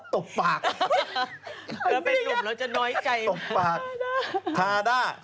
เทคนิดตกปาก